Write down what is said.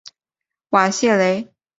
瓦谢雷。